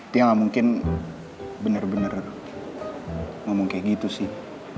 dia nggak mungkin bener bener ngomong kayak gitu sih